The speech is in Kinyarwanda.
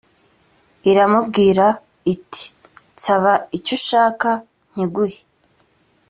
iramubwira iti nsaba icyo ushaka nkiguhe